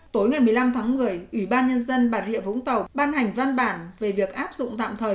tối ngày một mươi năm tháng một mươi ủy ban nhân dân bà rịa vũng tàu ban hành văn bản về việc áp dụng tạm thời